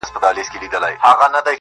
له طبیعي ګاز سره ګډوي